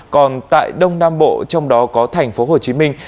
còn tại đông nam bộ trong đó có thành phố hồ chí minh